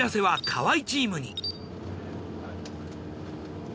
はい。